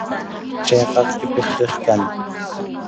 Chayqa qʼipiq riq kani.